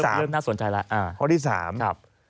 เริ่มน่าสนใจแล้ว